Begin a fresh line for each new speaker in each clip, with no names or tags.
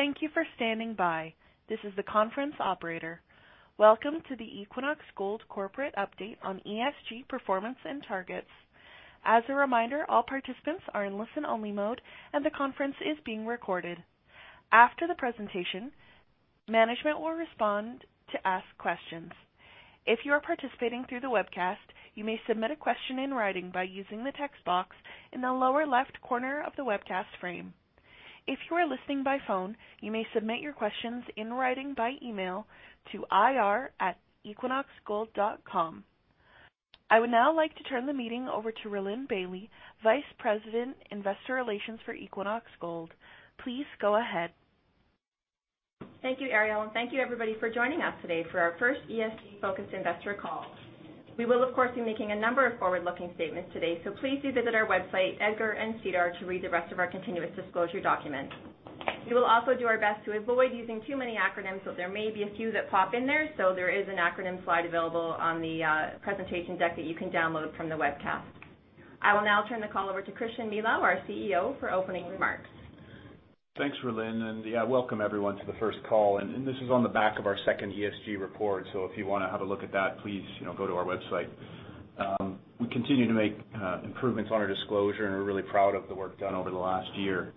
Thank you for standing by. This is the conference operator. Welcome to the Equinox Gold corporate update on ESG performance and targets. As a reminder, all participants are in listen-only mode, and the conference is being recorded. After the presentation, management will respond to asked questions. If you are participating through the webcast, you may submit a question in writing by using the text box in the lower left corner of the webcast frame. If you are listening by phone, you may submit your questions in writing by email to ir@equinoxgold.com. I would now like to turn the meeting over to Rhylin Bailie, Vice President, Investor Relations for Equinox Gold. Please go ahead.
Thank you, Ariel, and thank you everybody for joining us today for our first ESG-focused investor call. We will, of course, be making a number of forward-looking statements today, so please do visit our website, EDGAR and SEDAR, to read the rest of our continuous disclosure documents. We will also do our best to avoid using too many acronyms, but there may be a few that pop in there, so there is an acronym slide available on the presentation deck that you can download from the webcast. I will now turn the call over to Christian Milau, our CEO, for opening remarks.
Thanks, Rhylin, and, yeah, welcome everyone to the first call. This is on the back of our second ESG report, so if you wanna have a look at that, please, you know, go to our website. We continue to make improvements on our disclosure, and we're really proud of the work done over the last year.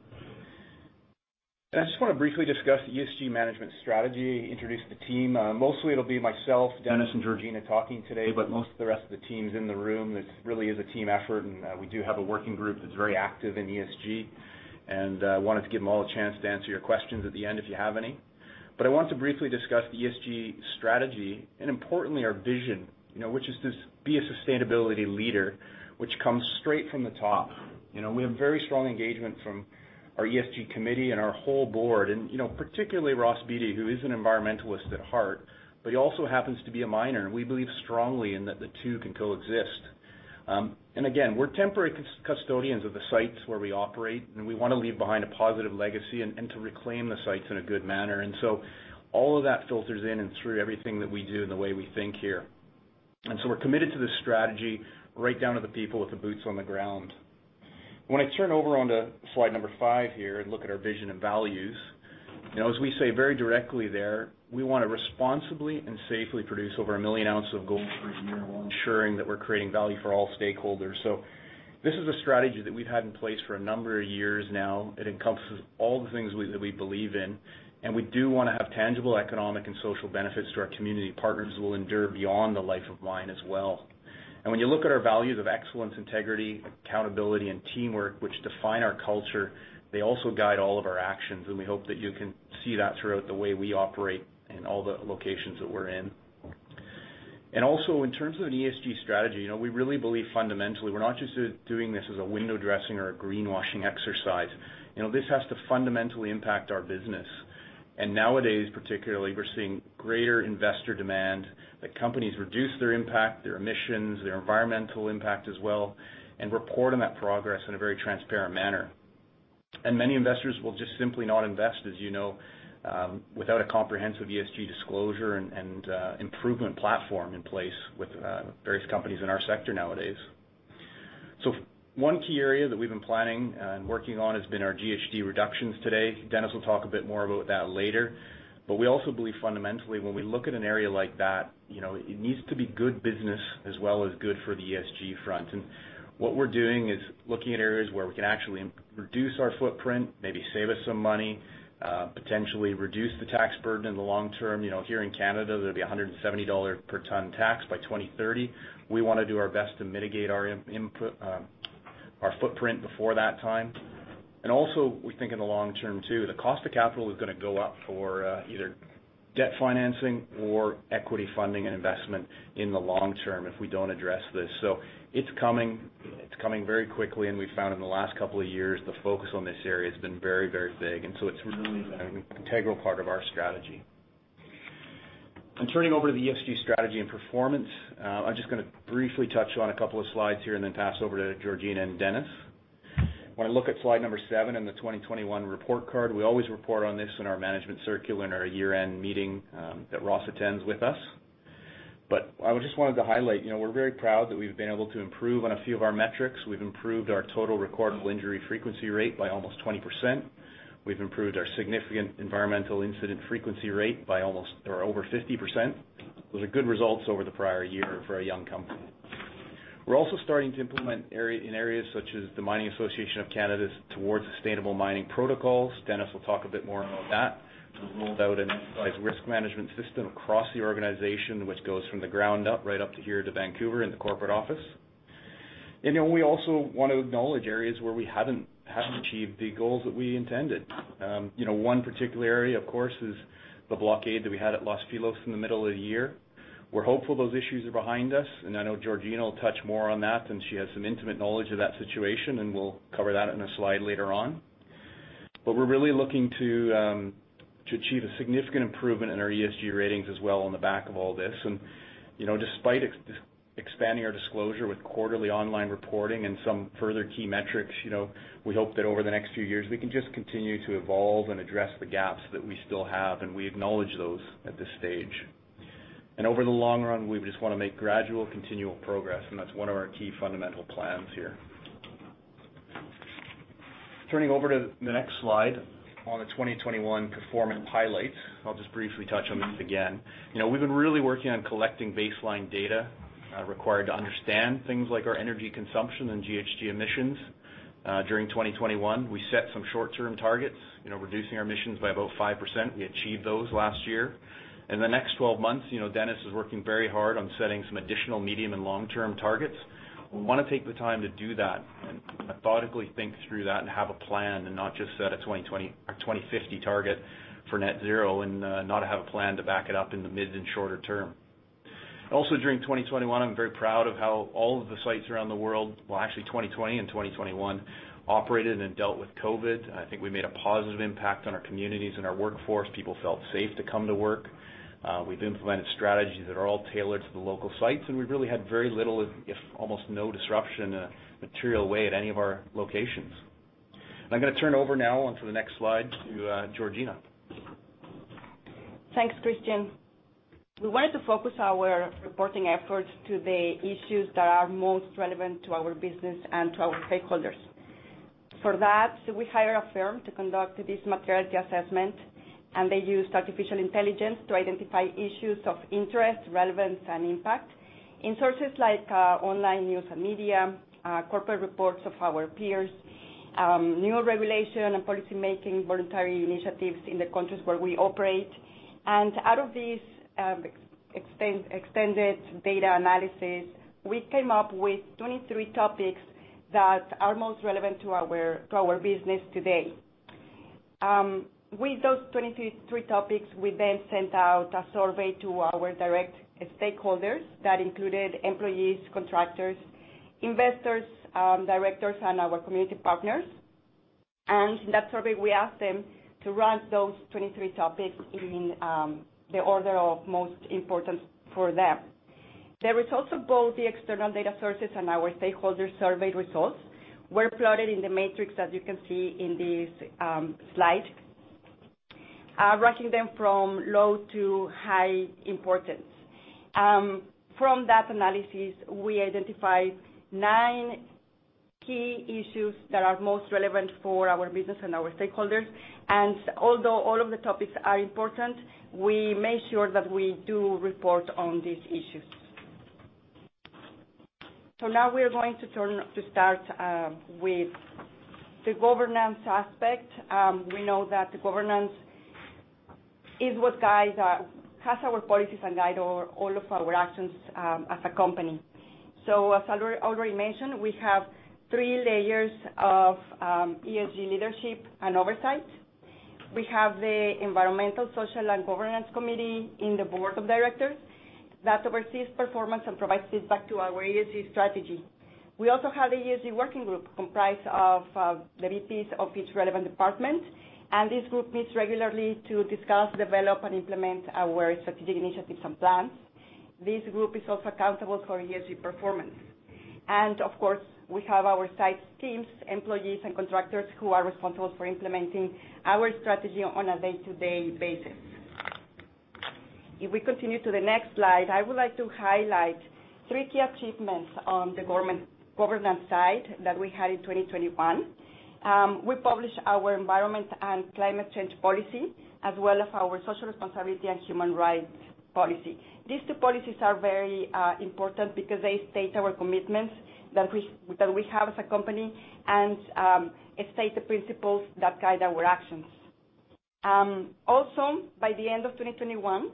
I just wanna briefly discuss the ESG management strategy, introduce the team. Mostly it'll be myself, Dennis, and Georgina talking today, but most of the rest of the team's in the room. This really is a team effort, and we do have a working group that's very active in ESG. I wanted to give them all a chance to answer your questions at the end if you have any. I want to briefly discuss the ESG strategy and importantly, our vision, you know, which is to be a sustainability leader, which comes straight from the top. You know, we have very strong engagement from our ESG committee and our whole board and, you know, particularly Ross Beaty, who is an environmentalist at heart, but he also happens to be a miner, and we believe strongly in that the two can coexist. We're temporary custodians of the sites where we operate, and we wanna leave behind a positive legacy and to reclaim the sites in a good manner. All of that filters in and through everything that we do and the way we think here. We're committed to this strategy right down to the people with the boots on the ground. When I turn over onto slide number five here and look at our vision and values, you know, as we say very directly there, we wanna responsibly and safely produce over a million ounces of gold per year while ensuring that we're creating value for all stakeholders. This is a strategy that we've had in place for a number of years now. It encompasses all the things that we believe in, and we do wanna have tangible economic and social benefits to our community partners that will endure beyond the life of mine as well. When you look at our values of excellence, integrity, accountability, and teamwork which define our culture, they also guide all of our actions, and we hope that you can see that throughout the way we operate in all the locations that we're in. Also, in terms of an ESG strategy, you know, we really believe fundamentally we're not just doing this as a window dressing or a greenwashing exercise. You know, this has to fundamentally impact our business. Nowadays, particularly, we're seeing greater investor demand that companies reduce their impact, their emissions, their environmental impact as well, and report on that progress in a very transparent manner. Many investors will just simply not invest, as you know, without a comprehensive ESG disclosure and improvement platform in place with various companies in our sector nowadays. One key area that we've been planning and working on has been our GHG reductions today. Dennis will talk a bit more about that later. We also believe fundamentally when we look at an area like that, you know, it needs to be good business as well as good for the ESG front. What we're doing is looking at areas where we can actually reduce our footprint, maybe save us some money, potentially reduce the tax burden in the long term. You know, here in Canada, there'll be a 170 dollars per ton tax by 2030. We wanna do our best to mitigate our footprint before that time. Also, we think in the long term too, the cost of capital is gonna go up for either debt financing or equity funding and investment in the long term if we don't address this. It's coming. It's coming very quickly, and we found in the last couple of years, the focus on this area has been very, very big. It's really an integral part of our strategy. Turning over to the ESG strategy and performance, I'm just gonna briefly touch on a couple of slides here and then pass over to Georgina and Dennis. When I look at slide number seven and the 2021 report card, we always report on this in our management circular and our year-end meeting that Ross attends with us. I just wanted to highlight, you know, we're very proud that we've been able to improve on a few of our metrics. We've improved our total recordable injury frequency rate by almost 20%. We've improved our significant environmental incident frequency rate by almost or over 50%. Those are good results over the prior year for a young company. We're also starting to implement in areas such as the Mining Association of Canada's Towards Sustainable Mining protocols. Dennis will talk a bit more about that. We've rolled out an enterprise risk management system across the organization, which goes from the ground up, right up to here to Vancouver in the corporate office. You know, we also want to acknowledge areas where we haven't achieved the goals that we intended. You know, one particular area, of course, is the blockade that we had at Los Filos in the middle of the year. We're hopeful those issues are behind us, and I know Georgina will touch more on that, and she has some intimate knowledge of that situation, and we'll cover that in a slide later on. We're really looking to achieve a significant improvement in our ESG ratings as well on the back of all this. You know, despite expanding our disclosure with quarterly online reporting and some further key metrics, you know, we hope that over the next few years, we can just continue to evolve and address the gaps that we still have, and we acknowledge those at this stage. Over the long run, we just wanna make gradual continual progress, and that's one of our key fundamental plans here. Turning over to the next slide on the 2021 performance highlights. I'll just briefly touch on this again. You know, we've been really working on collecting baseline data required to understand things like our energy consumption and GHG emissions. During 2021, we set some short-term targets, you know, reducing our emissions by about 5%. We achieved those last year. In the next 12 months, you know, Dennis is working very hard on setting some additional medium and long-term targets. We wanna take the time to do that and methodically think through that and have a plan and not just set a 2020 or 2050 target for net zero and not have a plan to back it up in the mid and shorter term. Also during 2021, I'm very proud of how all of the sites around the world, well, actually 2020 and 2021, operated and dealt with COVID. I think we made a positive impact on our communities and our workforce. People felt safe to come to work. We've implemented strategies that are all tailored to the local sites, and we've really had very little, if almost no disruption in a material way at any of our locations. I'm gonna turn over now onto the next slide to Georgina.
Thanks, Christian. We wanted to focus our reporting efforts to the issues that are most relevant to our business and to our stakeholders. For that, we hire a firm to conduct this materiality assessment, and they use artificial intelligence to identify issues of interest, relevance, and impact in sources like online news and media, corporate reports of our peers, new regulation and policymaking voluntary initiatives in the countries where we operate. Out of this extended data analysis, we came up with 23 topics that are most relevant to our business today. With those 23 topics, we then sent out a survey to our direct stakeholders that included employees, contractors, investors, directors, and our community partners. In that survey, we asked them to rank those 23 topics in the order of most importance for them. The results of both the external data sources and our stakeholder survey results were plotted in the matrix as you can see in this slide, ranking them from low to high importance. From that analysis, we identified nine key issues that are most relevant for our business and our stakeholders. Although all of the topics are important, we make sure that we do report on these issues. Now we are going to turn to start with the governance aspect. We know that the governance is what has our policies and guides all of our actions as a company. As I already mentioned, we have three layers of ESG leadership and oversight. We have the environmental, social, and governance committee in the board of directors that oversees performance and provides feedback to our ESG strategy. We also have ESG working group comprised of the VPs of each relevant department, and this group meets regularly to discuss, develop, and implement our strategic initiatives and plans. This group is also accountable for ESG performance. Of course, we have our site teams, employees, and contractors who are responsible for implementing our strategy on a day-to-day basis. If we continue to the next slide, I would like to highlight three key achievements on the governance side that we had in 2021. We published our environment and climate change policy, as well as our social responsibility and human rights policy. These two policies are very important because they state our commitments that we have as a company and it state the principles that guide our actions. Also by the end of 2021,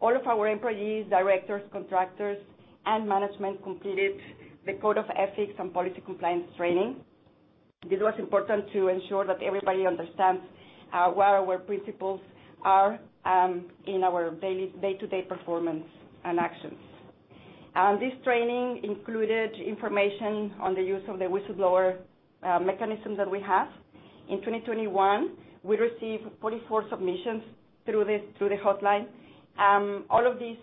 all of our employees, directors, contractors, and management completed the code of ethics and policy compliance training. This was important to ensure that everybody understands what our principles are in our day-to-day performance and actions. This training included information on the use of the whistleblower mechanism that we have. In 2021, we received 44 submissions through the hotline. All of these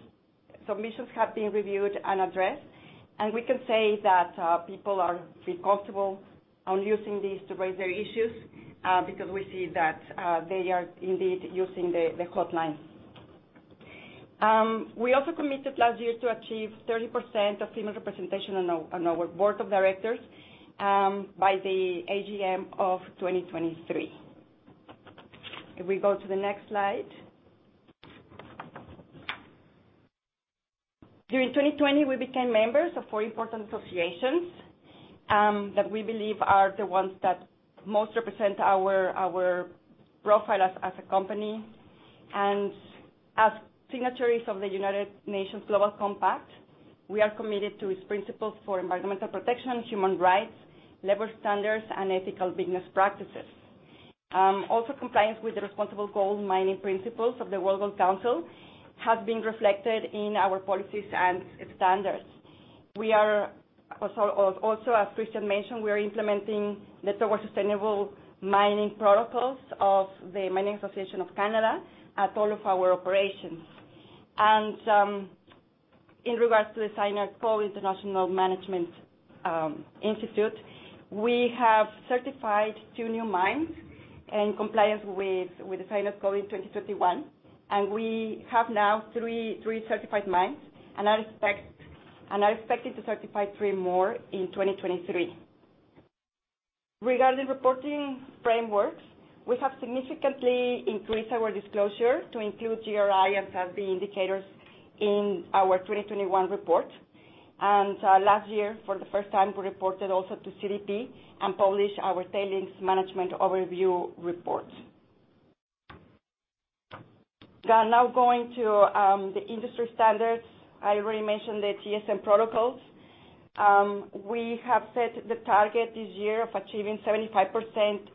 submissions have been reviewed and addressed, and we can say that people are pretty comfortable on using these to raise their issues because we see that they are indeed using the hotline. We also committed last year to achieve 30% female representation on our board of directors by the AGM of 2023. If we go to the next slide. During 2020, we became members of four important associations that we believe are the ones that most represent our profile as a company. As signatories of the United Nations Global Compact, we are committed to its principles for environmental protection, human rights, labor standards, and ethical business practices. Also compliance with the Responsible Gold Mining Principles of the World Gold Council has been reflected in our policies and standards. We are also as Christian mentioned, we are implementing the Towards Sustainable Mining protocols of the Mining Association of Canada at all of our operations. In regards to the International Cyanide Management Institute, we have certified 2 new mines in compliance with the Cyanide Code in 2021. We have now three certified mines, and I expect it to certify three more in 2023. Regarding reporting frameworks, we have significantly increased our disclosure to include GRI and SASB indicators in our 2021 report. Last year, for the first time, we reported also to CDP and published our Tailings Management Overview Report. Now going to the industry standards. I already mentioned the TSM protocols. We have set the target this year of achieving 75%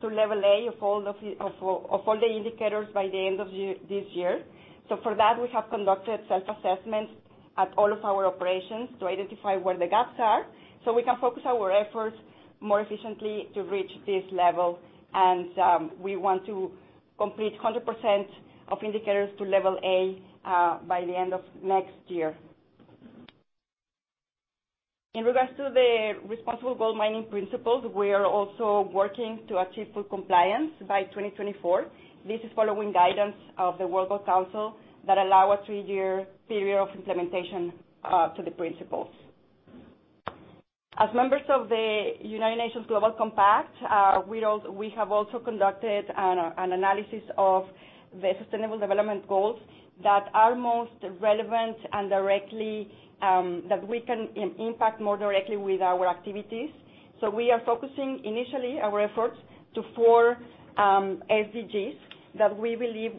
to Level A of all the indicators by the end of this year. For that, we have conducted self-assessments at all of our operations to identify where the gaps are so we can focus our efforts more efficiently to reach this level. We want to complete 100% of indicators to Level A by the end of next year. In regards to the Responsible Gold Mining Principles, we are also working to achieve full compliance by 2024. This is following guidance of the World Gold Council that allow a three year period of implementation to the principles. As members of the United Nations Global Compact, we have also conducted an analysis of the sustainable development goals that are most relevant and directly that we can impact more directly with our activities. We are focusing initially our efforts to 4 SDGs that we believe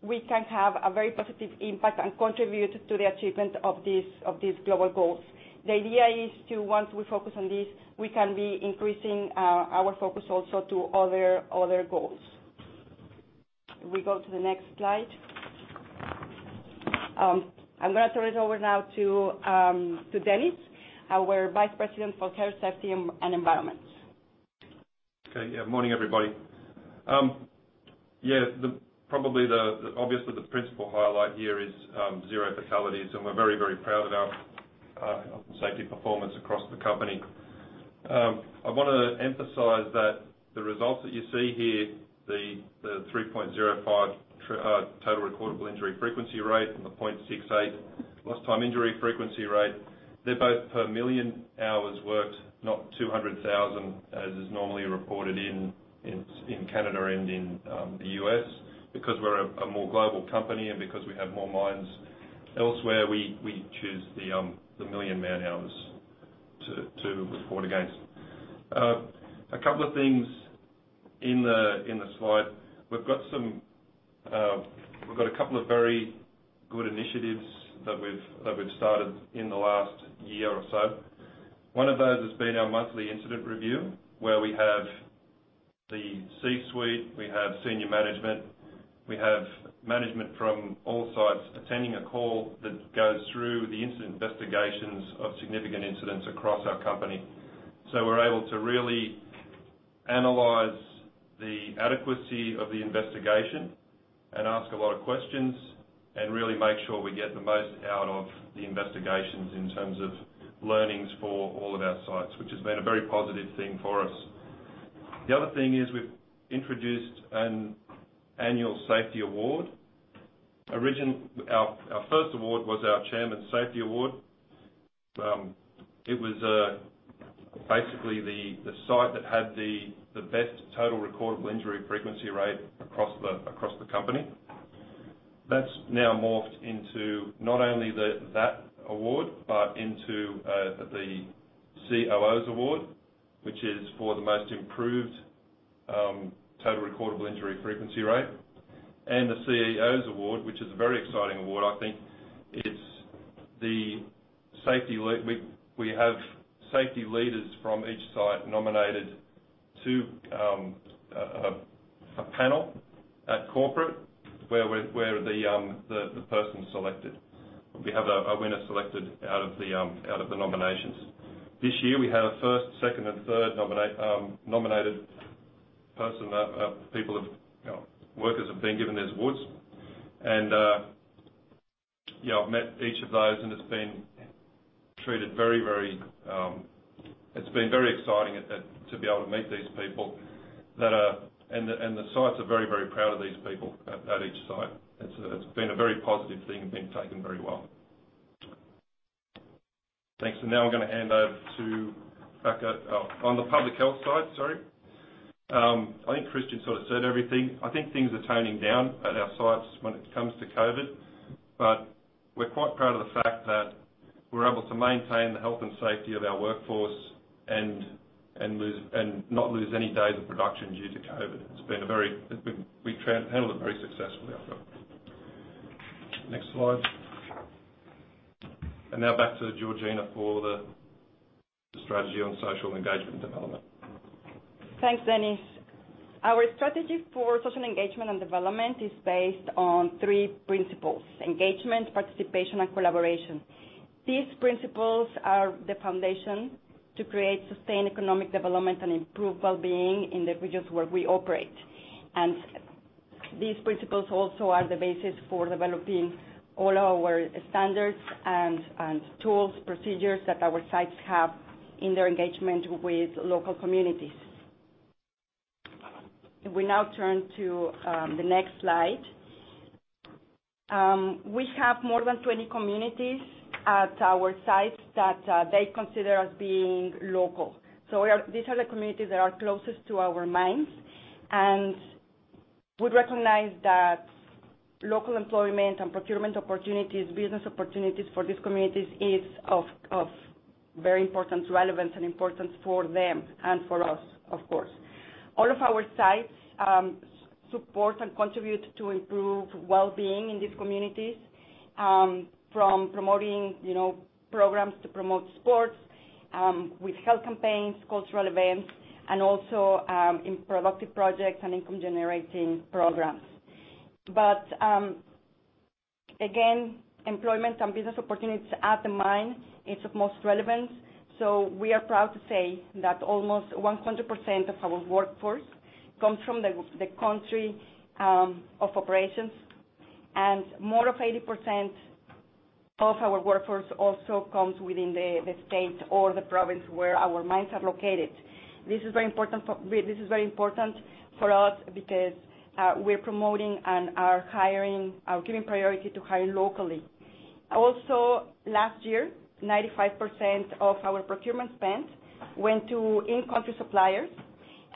we can have a very positive impact and contribute to the achievement of these global goals. The idea is to once we focus on this, we can be increasing our focus also to other goals. Can we go to the next slide? I'm gonna turn it over now to Dennis, our Vice President for health, safety, and environment.
Morning, everybody. Probably the obvious principal highlight here is zero fatalities, and we're very proud of our safety performance across the company. I wanna emphasize that the results that you see here, the 3.05 total recordable injury frequency rate and the 0.68 lost time injury frequency rate, they're both per million hours worked, not 200,000, as is normally reported in Canada and in the U.S. Because we're a more global company and because we have more mines elsewhere, we choose the million man-hours to report against. A couple of things in the slide. We've got a couple of very good initiatives that we've started in the last year or so. One of those has been our monthly incident review, where we have the C-suite, we have senior management, we have management from all sites attending a call that goes through the incident investigations of significant incidents across our company. We're able to really analyze the adequacy of the investigation and ask a lot of questions, and really make sure we get the most out of the investigations in terms of learnings for all of our sites, which has been a very positive thing for us. The other thing is we've introduced an annual safety award. Our first award was our Chairman's Safety Award. It was basically the site that had the best total recordable injury frequency rate across the company. That's now morphed into not only that award, but into the COO's Award, which is for the most improved total recordable injury frequency rate. The CEO's Award, which is a very exciting award, I think. We have safety leaders from each site nominated to a panel at corporate where the person's selected. We have a winner selected out of the nominations. This year, we had a first, second, and third nominated person. Workers have been given these awards. Yeah, I've met each of those, and it's been treated very very. It's been very exciting to be able to meet these people that are. The sites are very proud of these people at each site. It's been a very positive thing and been taken very well. Thanks. Now I'm gonna hand over to [Becca] on the public health side. Sorry. I think Christian sort of said everything. I think things are toning down at our sites when it comes to COVID, but we're quite proud of the fact that we're able to maintain the health and safety of our workforce and not lose any days of production due to COVID. We've handled it very successfully, I think. Next slide. Now back to Georgina for the strategy on social engagement development.
Thanks, Dennis. Our strategy for social engagement and development is based on three principles, engagement, participation, and collaboration. These principles are the foundation to create sustained economic development and improve well-being in the regions where we operate. These principles also are the basis for developing all our standards and tools, procedures that our sites have in their engagement with local communities. We now turn to the next slide. We have more than 20 communities at our sites that they consider as being local. These are the communities that are closest to our mines, and we recognize that local employment and procurement opportunities, business opportunities for these communities is of very important relevance and importance for them and for us, of course. All of our sites support and contribute to improved well-being in these communities, from promoting, you know, programs to promote sports, with health campaigns, cultural events, and also, in productive projects and income-generating programs. Again, employment and business opportunities at the mine are most relevant. We are proud to say that almost 100% of our workforce comes from the country of operations, and more than 80% of our workforce also comes within the state or the province where our mines are located. This is very important for us because, we're promoting and are giving priority to hiring locally. Also, last year, 95% of our procurement spend went to in-country suppliers,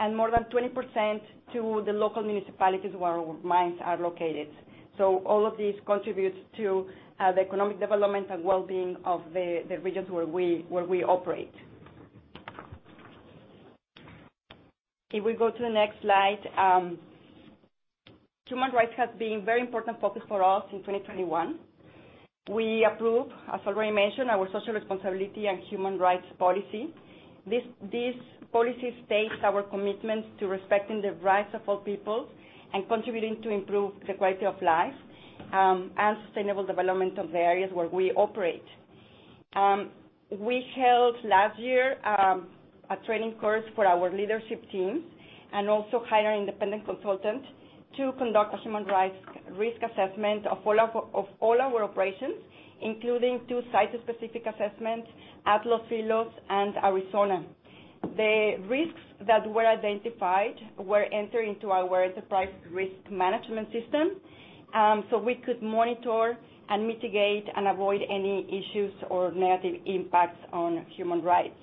and more than 20% to the local municipalities where our mines are located. All of these contributes to the economic development and well-being of the regions where we operate. If we go to the next slide, human rights has been very important focus for us in 2021. We approved, as already mentioned, our social responsibility and human rights policy. This policy states our commitment to respecting the rights of all people and contributing to improve the quality of life and sustainable development of the areas where we operate. We held last year a training course for our leadership team and also hired an independent consultant to conduct a human rights risk assessment of all of all our operations, including two site-specific assessments, Los Filos, and Aurizona. The risks that were identified were entered into our enterprise risk management system, so we could monitor and mitigate and avoid any issues or negative impacts on human rights.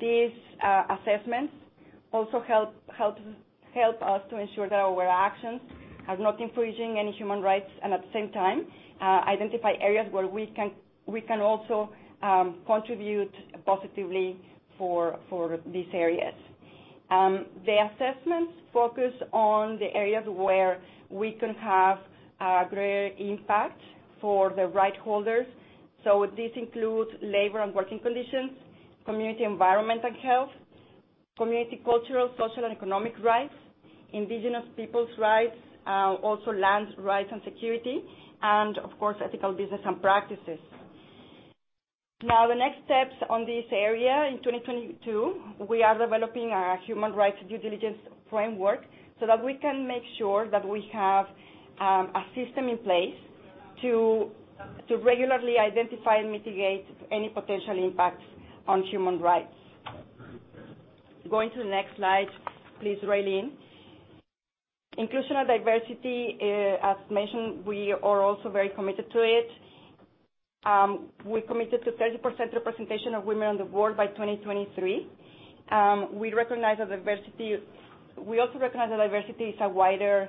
These assessments also help us to ensure that our actions are not infringing any human rights, and at the same time, identify areas where we can also contribute positively for these areas. The assessments focus on the areas where we can have a greater impact for the right holders. This includes labor and working conditions, community environment and health, community cultural, social, and economic rights, Indigenous Peoples' rights, also land rights and security, and of course, ethical business and practices. Now, the next steps on this area in 2022, we are developing our human rights due diligence framework so that we can make sure that we have a system in place to regularly identify and mitigate any potential impacts on human rights. Going to the next slide, please, Rhylin. Inclusion and diversity, as mentioned, we are also very committed to it. We're committed to 30% representation of women on the board by 2023. We recognize that diversity. We also recognize that diversity is a wider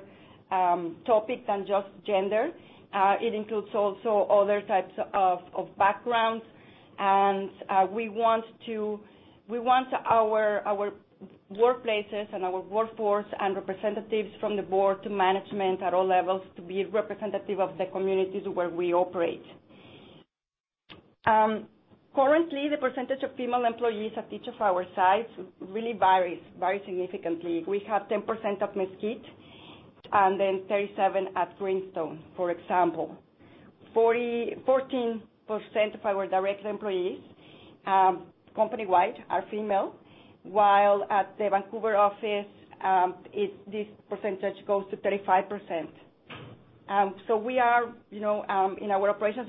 topic than just gender. It includes also other types of backgrounds. We want our workplaces and our workforce and representatives from the board to management at all levels to be representative of the communities where we operate. Currently, the percentage of female employees at each of our sites really varies significantly. We have 10% at Mesquite, and then 37% at Greenstone, for example. 14% of our direct employees company-wide are female, while at the Vancouver office, this percentage goes to 35%. We are in our operations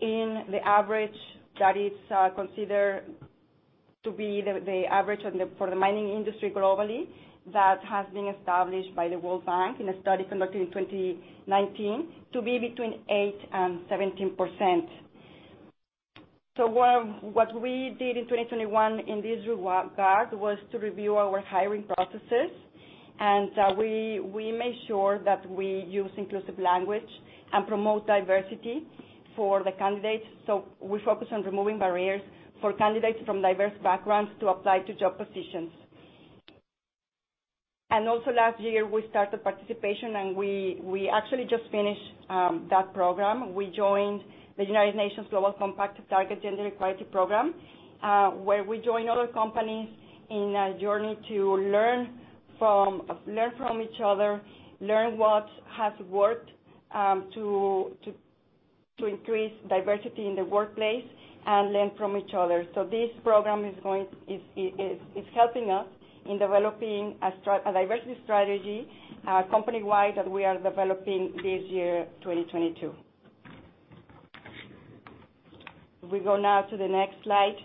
in the average that is considered to be the average for the mining industry globally that has been established by the World Bank in a study conducted in 2019 to be between 8%-17%. What we did in 2021 in this regard was to review our hiring processes, and we made sure that we use inclusive language and promote diversity for the candidates. We focus on removing barriers for candidates from diverse backgrounds to apply to job positions. Also last year, we started participation, and we actually just finished that program. We joined the United Nations Global Compact Target Gender Equality program, where we join other companies in a journey to learn from each other, learn what has worked, to increase diversity in the workplace, and learn from each other. This program is helping us in developing a diversity strategy, company-wide that we are developing this year, 2022. We go now to the next slide.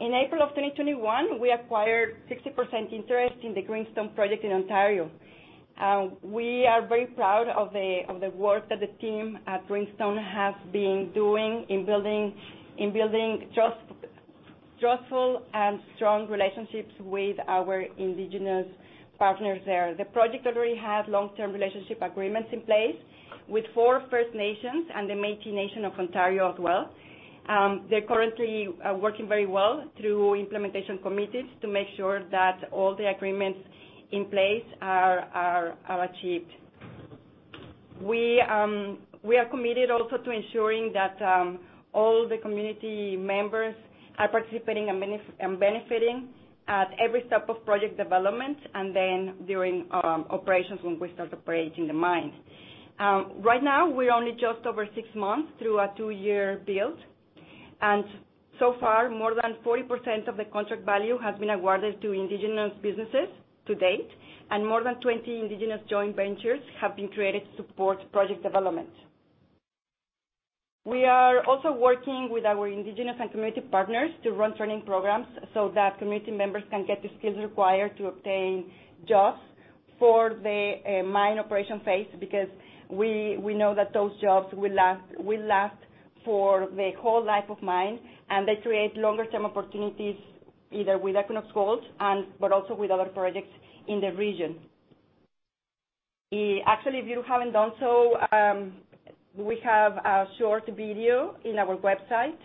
In April of 2021, we acquired 60% interest in the Greenstone project in Ontario. We are very proud of the work that the team at Greenstone have been doing in building trustful and strong relationships with our indigenous partners there. The project already has long-term relationship agreements in place with four First Nations and the Métis Nation of Ontario as well. They're currently working very well through implementation committees to make sure that all the agreements in place are achieved. We are committed also to ensuring that all the community members are participating and benefiting at every step of project development and then during operations when we start operating the mine. Right now we're only just over six months through a two-year build, and so far, more than 40% of the contract value has been awarded to indigenous businesses to date, and more than 20 indigenous joint ventures have been created to support project development. We are also working with our indigenous and community partners to run training programs so that community members can get the skills required to obtain jobs for the mine operation phase, because we know that those jobs will last for the whole life of mine, and they create longer-term opportunities either with Equinox Gold and but also with other projects in the region. Actually, if you haven't done so, we have a short video in our website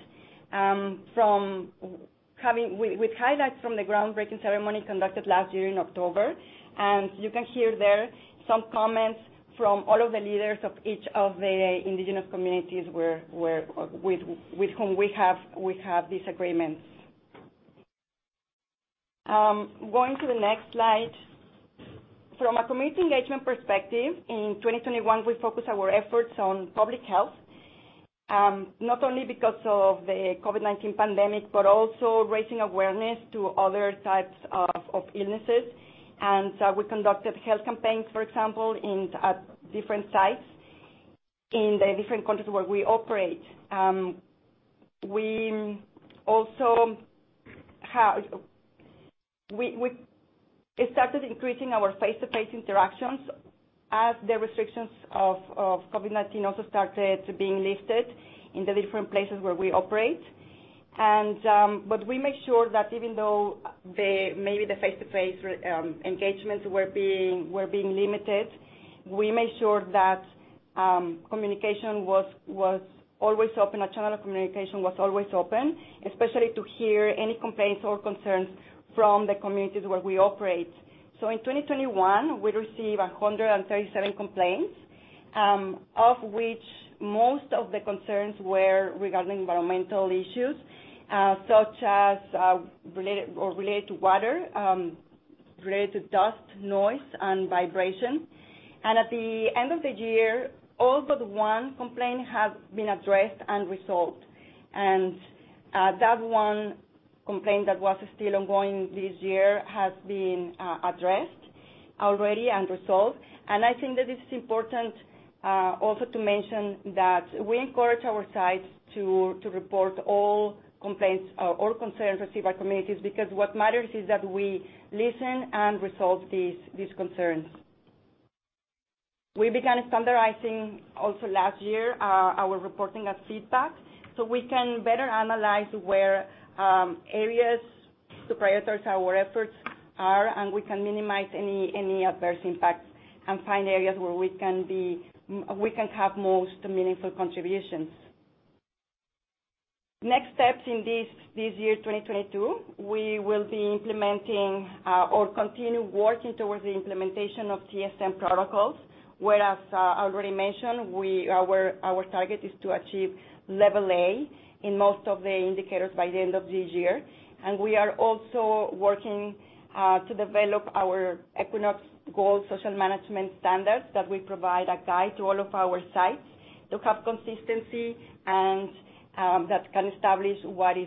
with highlights from the groundbreaking ceremony conducted last year in October. You can hear there some comments from all of the leaders of each of the indigenous communities with whom we have these agreements. Going to the next slide. From a community engagement perspective, in 2021, we focused our efforts on public health, not only because of the COVID-19 pandemic, but also raising awareness to other types of illnesses. We conducted health campaigns, for example, at different sites in the different countries where we operate. We also started increasing our face-to-face interactions as the restrictions of COVID-19 also started to be lifted in the different places where we operate. We made sure that even though, maybe, the face-to-face engagements were being limited, we made sure that communication was always open, a channel of communication was always open, especially to hear any complaints or concerns from the communities where we operate. In 2021, we received 137 complaints, of which most of the concerns were regarding environmental issues, such as related to water, related to dust, noise, and vibration. At the end of the year, all but one complaint have been addressed and resolved. That one complaint that was still ongoing this year has been addressed already and resolved. I think that it's important also to mention that we encourage our sites to report all complaints or concerns received by communities, because what matters is that we listen and resolve these concerns. We began standardizing also last year our reporting and feedback so we can better analyze where areas to prioritize our efforts are, and we can minimize any adverse impacts and find areas where we can have most meaningful contributions. Next steps in this year, 2022, we will be implementing or continue working towards the implementation of TSM protocols, where, as I already mentioned, our target is to achieve level A in most of the indicators by the end of this year. We are also working to develop our Equinox Gold social management standards that will provide a guide to all of our sites to have consistency and that can establish what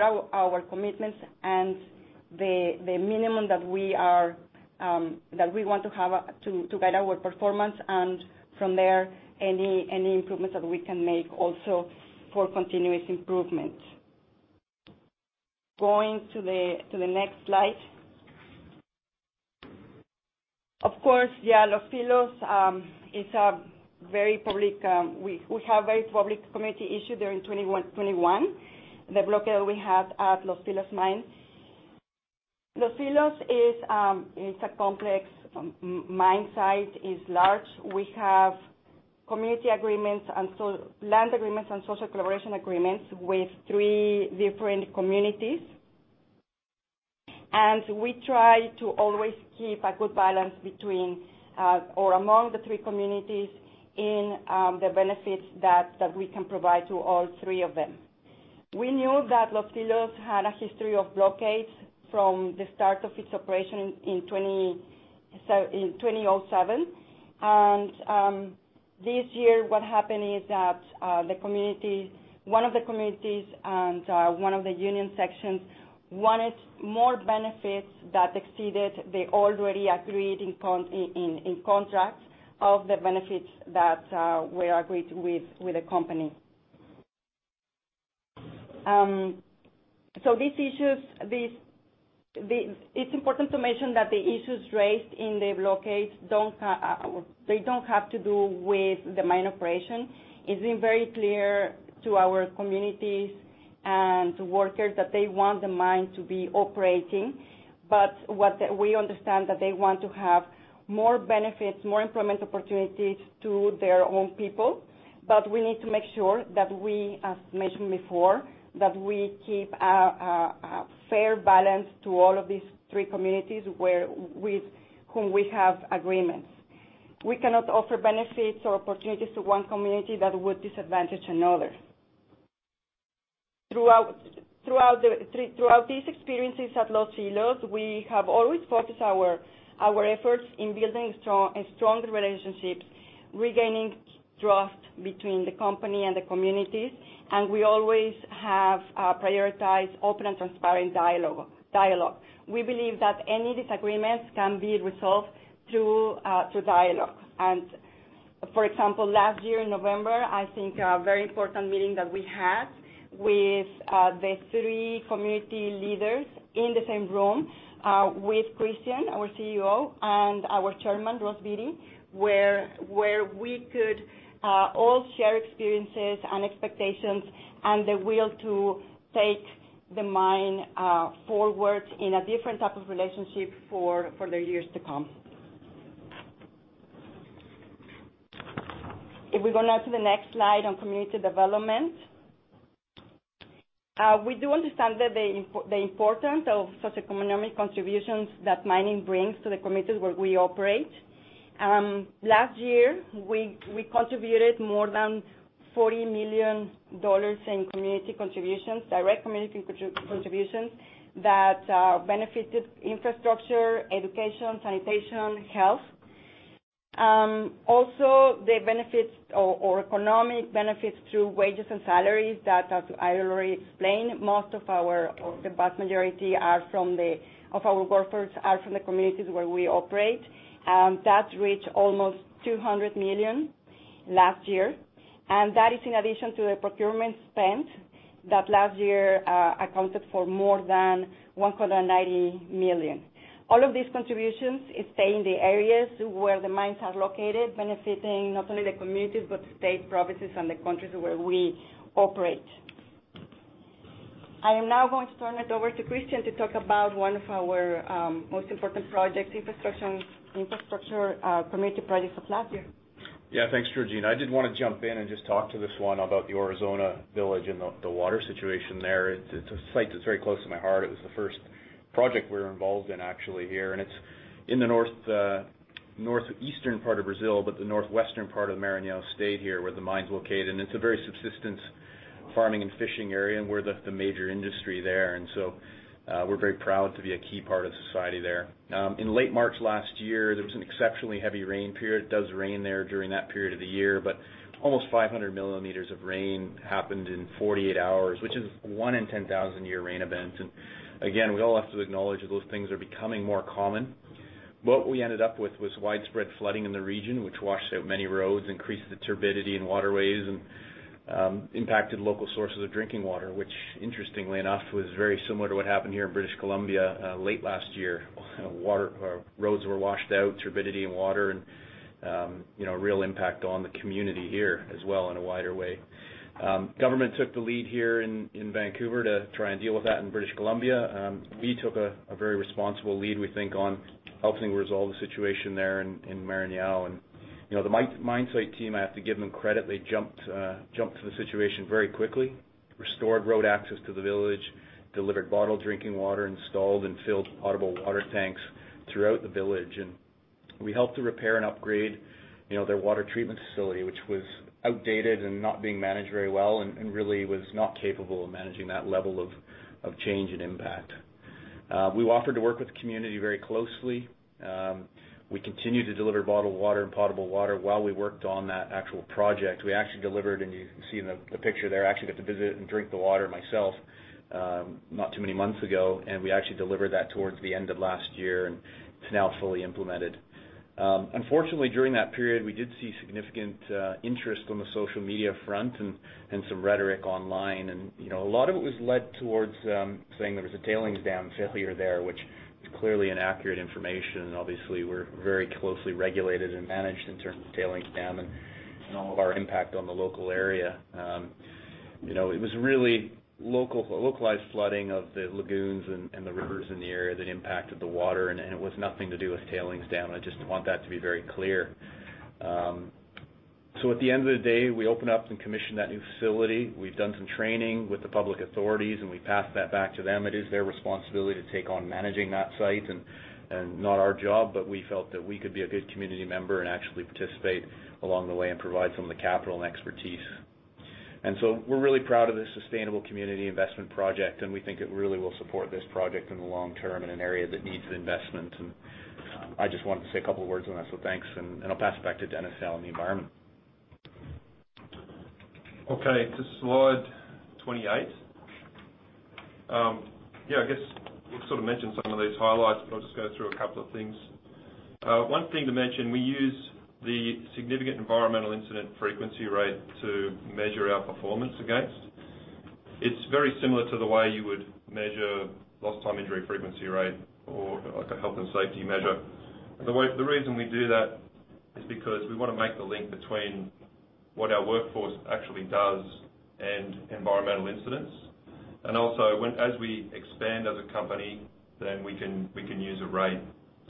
are our commitments and the minimum that we want to have to guide our performance, and from there, any improvements that we can make also for continuous improvement. Going to the next slide. Of course, Los Filos is a very public. We have very public community issue during 2021, the blockade we had at Los Filos mine. Los Filos is. It's a complex mine site, it's large. We have community agreements and so land agreements and social collaboration agreements with three different communities. We try to always keep a good balance between or among the three communities in the benefits that we can provide to all three of them. We knew that Los Filos had a history of blockades from the start of its operation in 2007. This year, what happened is that the community, one of the communities and one of the union sections wanted more benefits that exceeded the already agreed in contracts of the benefits that were agreed with the company. It's important to mention that the issues raised in the blockades don't they don't have to do with the mine operation. It's been very clear to our communities and workers that they want the mine to be operating. What we understand that they want to have more benefits, more employment opportunities to their own people. We need to make sure that we, as mentioned before, that we keep a fair balance to all of these three communities where, with whom we have agreements. We cannot offer benefits or opportunities to one community that would disadvantage another. Throughout these experiences at Los Filos, we have always focused our efforts in building stronger relationships, regaining trust between the company and the communities, and we always have prioritized open and transparent dialogue. We believe that any disagreements can be resolved through dialogue. For example, last year in November, I think a very important meeting that we had with the three community leaders in the same room with Christian Milau, our CEO, and our Chairman, Ross Beaty, where we could all share experiences and expectations and the will to take the mine forward in a different type of relationship for the years to come. If we go now to the next slide on community development. We do understand that the importance of socioeconomic contributions that mining brings to the communities where we operate. Last year, we contributed more than 40 million dollars in community contributions, direct community contributions that benefited infrastructure, education, sanitation, health. Also the benefits or economic benefits through wages and salaries that, as I already explained, the vast majority of our workforce are from the communities where we operate. That reached almost 200 million last year. That is in addition to the procurement spend that last year accounted for more than 190 million. All of these contributions stay in the areas where the mines are located, benefiting not only the communities, but states, provinces and the countries where we operate. I am now going to turn it over to Christian to talk about one of our most important project infrastructure community projects of last year.
Yeah. Thanks, Georgina. I did wanna jump in and just talk to this one about the Aurizona village and the water situation there. It's a site that's very close to my heart. It was the first project we were involved in actually here, and it's in the north, northeastern part of Brazil, but the northwestern part of Maranhão State here, where the mine's located. It's a very subsistence farming and fishing area, and we're the major industry there. We're very proud to be a key part of society there. In late March last year, there was an exceptionally heavy rain period. It does rain there during that period of the year, but almost 500 mm of rain happened in 48 hours, which is one in 10,000-year rain event. Again, we all have to acknowledge that those things are becoming more common. What we ended up with was widespread flooding in the region, which washed out many roads, increased the turbidity in waterways, and impacted local sources of drinking water, which interestingly enough was very similar to what happened here in British Columbia late last year. Water, roads were washed out, turbidity in water and you know real impact on the community here as well in a wider way. Government took the lead here in Vancouver to try and deal with that in British Columbia. We took a very responsible lead, we think, on helping resolve the situation there in Maranhão. You know, the mine site team, I have to give them credit, they jumped to the situation very quickly, restored road access to the village, delivered bottled drinking water, installed and filled potable water tanks throughout the village. We helped to repair and upgrade, you know, their water treatment facility, which was outdated and not being managed very well and really was not capable of managing that level of change and impact. We offered to work with the community very closely. We continued to deliver bottled water and potable water while we worked on that actual project. We actually delivered, and you can see in the picture there, I actually got to visit and drink the water myself, not too many months ago, and we actually delivered that towards the end of last year, and it's now fully implemented. Unfortunately, during that period, we did see significant interest on the social media front and some rhetoric online. You know, a lot of it was led towards saying there was a tailings dam failure there, which is clearly inaccurate information. Obviously, we're very closely regulated and managed in terms of tailings dam and all of our impact on the local area. You know, it was really localized flooding of the lagoons and the rivers in the area that impacted the water, and it was nothing to do with tailings dam. I just want that to be very clear. At the end of the day, we opened up and commissioned that new facility. We've done some training with the public authorities, and we passed that back to them. It is their responsibility to take on managing that site and not our job, but we felt that we could be a good community member and actually participate along the way and provide some of the capital and expertise. We're really proud of this sustainable community investment project, and we think it really will support this project in the long term in an area that needs the investment. I just wanted to say a couple of words on that. Thanks, and I'll pass it back to Dennis in the environment.
Okay. To slide 28. Yeah, I guess we've sort of mentioned some of these highlights, but I'll just go through a couple of things. One thing to mention, we use the Significant Environmental Incident Frequency Rate to measure our performance against. It's very similar to the way you would measure lost time injury frequency rate or, like, a health and safety measure. The reason we do that is because we wanna make the link between what our workforce actually does and environmental incidents. As we expand as a company, then we can use a rate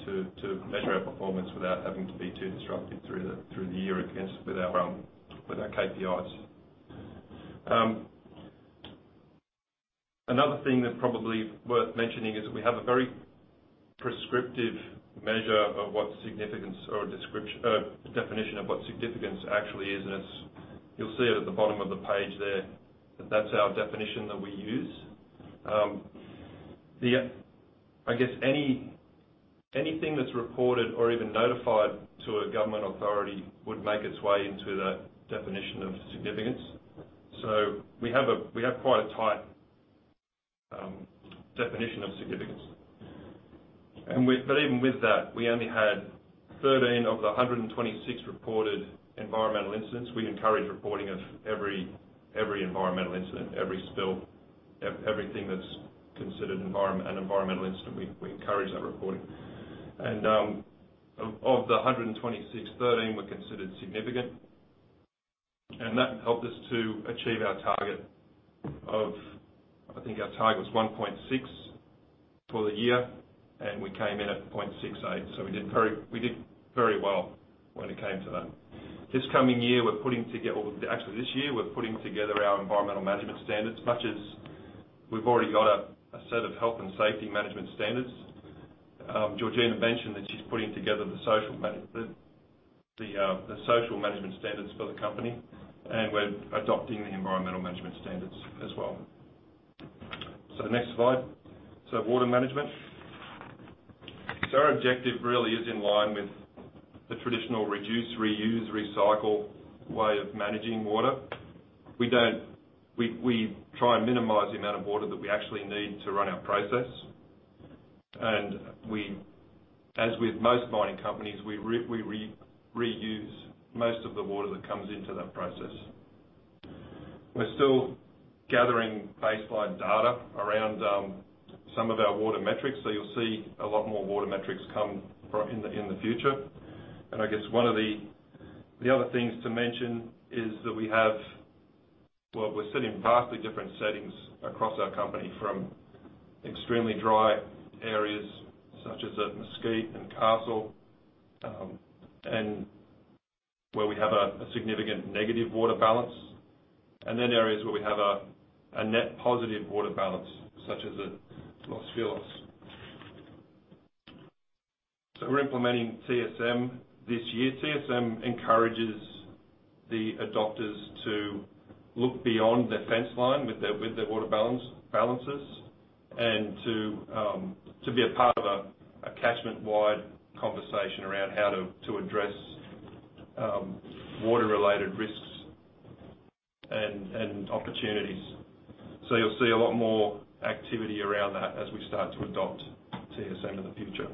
to measure our performance without having to be too disruptive through the year against our KPIs. Another thing that probably worth mentioning is we have a very prescriptive measure of what significance definition of what significance actually is. It's. You'll see it at the bottom of the page there, that's our definition that we use. I guess anything that's reported or even notified to a government authority would make its way into that definition of significance. We have quite a tight definition of significance. But even with that, we only had 13 of the 126 reported environmental incidents. We encourage reporting of every environmental incident, every spill, everything that's considered an environmental incident, we encourage that reporting. Of the 126, 13 were considered significant. That helped us to achieve our target of. I think our target was 1.6 for the year, and we came in at 0.68. We did very well when it came to that. This coming year, we're putting together. Well, actually this year, we're putting together our environmental management standards. Much as we've already got a set of health and safety management standards, Georgina mentioned that she's putting together the social management standards for the company, and we're adopting the environmental management standards as well. The next slide. Water management. Our objective really is in line with the traditional reduce, reuse, recycle way of managing water. We try and minimize the amount of water that we actually need to run our process. As with most mining companies, we reuse most of the water that comes into that process. We're still gathering baseline data around some of our water metrics, so you'll see a lot more water metrics come in the future. I guess one of the other things to mention is that we have. Well, we're sitting in vastly different settings across our company, from extremely dry areas such as at Mesquite and Castle, and where we have a significant negative water balance, and then areas where we have a net positive water balance, such as at Los Filos. We're implementing TSM this year. TSM encourages the adopters to look beyond their fence line with their water balance and to be a part of a catchment-wide conversation around how to address water-related risks and opportunities. You'll see a lot more activity around that as we start to adopt TSM in the future.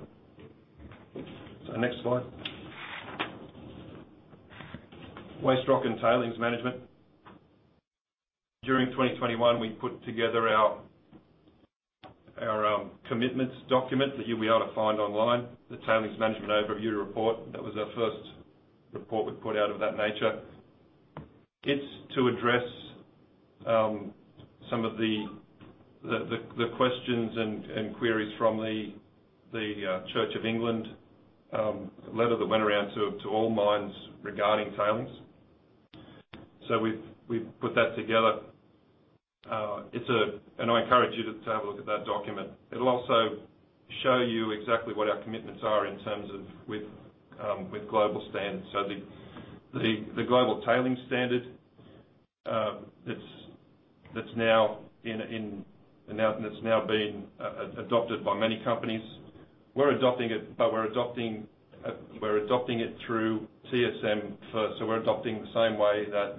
Next slide. Waste rock and tailings management. During 2021, we put together our commitments document that you'll be able to find online, the Tailings Management Overview Report. That was our first report we've put out of that nature. It's to address some of the questions and queries from the Church of England letter that went around to all mines regarding tailings. We've put that together. It's a... I encourage you to have a look at that document. It'll also show you exactly what our commitments are in terms of global standards. The global tailings standard, that's now been adopted by many companies. We're adopting it through TSM first. We're adopting the same way that